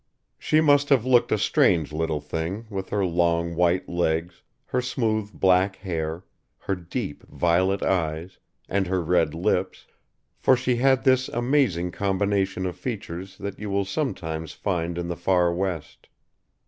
She must have looked a strange little thing with her long white legs, her smooth black hair, her deep violet eyes, and her red lips; for she had this amazing combination of features that you will sometimes find in the far West.